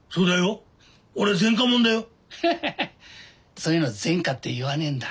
そういうの前科って言わねえんだ。